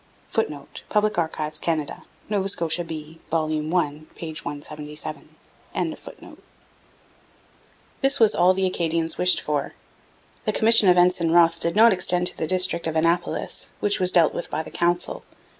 [Footnote: Public Archives, Canada. Nova Scotia B, vol. i, p. 177.] This was all the Acadians wished for. The commission of Ensign Wroth did not extend to the district of Annapolis, which was dealt with by the Council.